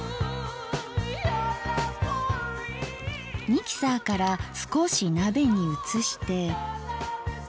ミキサーから少し鍋に移して。